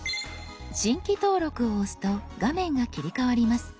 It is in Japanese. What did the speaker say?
「新規登録」を押すと画面が切り替わります。